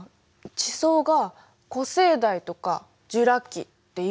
地層が「古生代」とか「ジュラ紀」っていうじゃない。